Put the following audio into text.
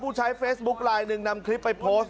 ใช้เฟซบุ๊คไลน์หนึ่งนำคลิปไปโพสต์